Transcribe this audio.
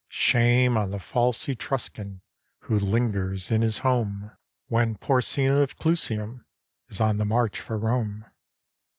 Shame on the false Etruscan Who lingers in his home, 269 ROME When Porsena of Clusium Is on the march for Rome.